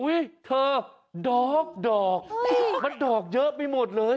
อุ้ยเธอดอกมันดอกเยอะไปหมดเลย